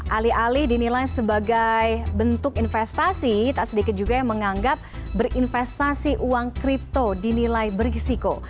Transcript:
alih alih dinilai sebagai bentuk investasi tak sedikit juga yang menganggap berinvestasi uang kripto dinilai berisiko